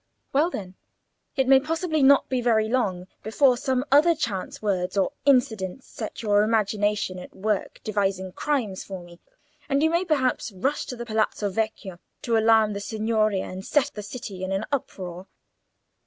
"Well, then, it may possibly not be very long before some other chance words or incidents set your imagination at work devising crimes for me, and you may perhaps rush to the Palazzo Vecchio to alarm the Signoria and set the city in an uproar.